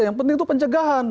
yang penting itu pencegahan